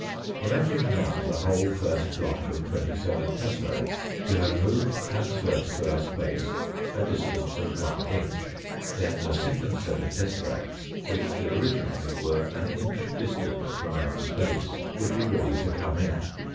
Imagine now the whole first block of twenty seven tesseracts to have moved tranverse to our space a distance of one inch. Then the second set of tesseracts, which originally were an inch distant from our space, would be ready to come in.